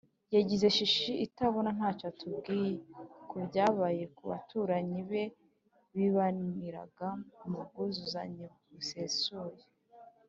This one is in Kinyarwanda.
yagiye shishi itabona ntacyo atubwiye ku byabaye ku baturanyi be bibaniraga mu bwuzuzanye busesuye